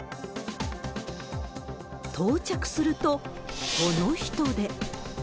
到着すると、この人出。